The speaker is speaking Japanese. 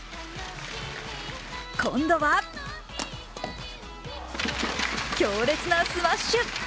今度は強烈なスマッシュ！